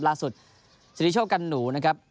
ล่าสุดสถิติโชคกันหนูนะครับ